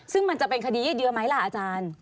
ซึ่งมันจะเป็นคดียืดเยอะไหมล่ะอาจารย์